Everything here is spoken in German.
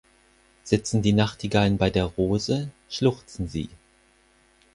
Sitzen die Nachtigallen bei der Rose, schluchzen sie.